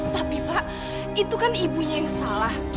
tapi pak itu kan ibunya yang salah